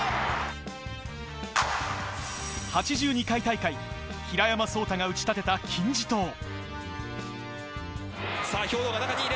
８２回大会、平山相太が打ち立てた金字塔。